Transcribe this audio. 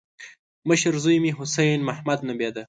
مشر زوی مې حسين محمد نومېده.